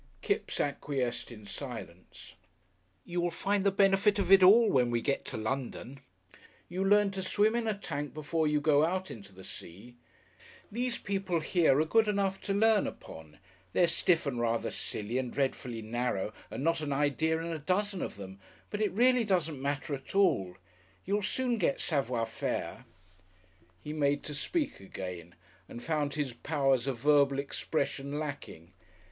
Kipps acquiesced in silence. "You will find the benefit of it all when we get to London. You learn to swim in a tank before you go out into the sea. These people here are good enough to learn upon. They're stiff and rather silly and dreadfully narrow and not an idea in a dozen of them, but it really doesn't matter at all. You'll soon get Savoir Faire." He made to speak again, and found his powers of verbal expression lacking.